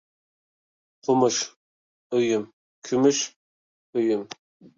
قومۇش ئۆيۈم، كۈمۈش ئۆيۈم.